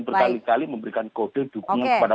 berkali kali memberikan kode dukungan kepada